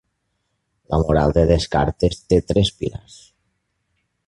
La moral de Descartes té tres pilars: